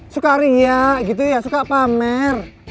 suka riak gitu ya suka pamer